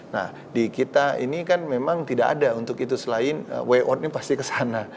nah di kita ini kan memang tidak ada untuk itu selain way out ini pasti kesana